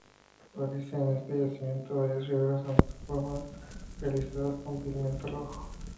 Aparecen en este yacimiento varias figuras antropomorfas realizadas con pigmento rojo.